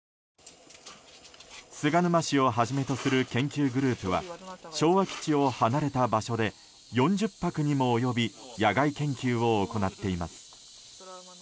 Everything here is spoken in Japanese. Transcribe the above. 菅沼氏をはじめとする研究グループは昭和基地を離れた場所で４０泊にも及び野外研究を行っています。